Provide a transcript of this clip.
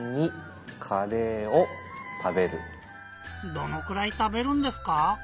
どのくらいたべるんですか？